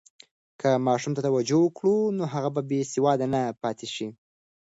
که ماشوم ته توجه وکړو، نو هغه به بې سواده نه پاتې شي.